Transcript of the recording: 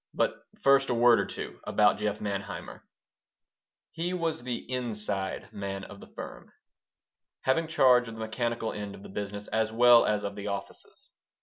But first a word or two about Jeff Manheimer He was the "inside man" of the firm, having charge of the mechanical end of the business as well as of the offices.